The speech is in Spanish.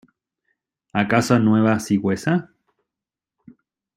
¿ acaso a Nueva Sigüenza?